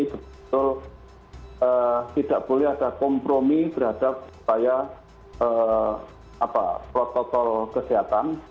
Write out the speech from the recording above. jadi tidak boleh ada kompromi berhadap protokol kesehatan